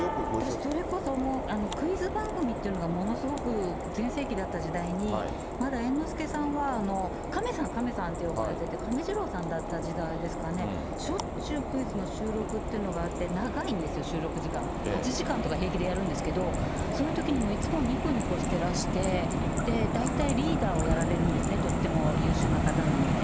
私、それこそもう、クイズ番組っていうのがものすごく全盛期だった時代に、まだ猿之助さんは亀さん、亀さんって呼ばれてて、亀治郎さんだった時代ですかね、しょっちゅうクイズの収録っていうのがあって、長いんですよ、収録時間が、８時間とか平気でやるんですけど、そういうときにもいつもにこにこしていらして、大体リーダーをやられるんですね、とっても優秀な方なので。